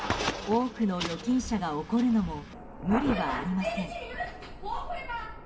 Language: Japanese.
多くの預金者が怒るのも無理はありません。